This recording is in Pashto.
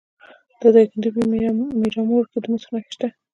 د دایکنډي په میرامور کې د مسو نښې شته.